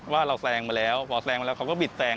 ว่าเราแซงมาแล้วพอแซงมาแล้วเขาก็บิดแซง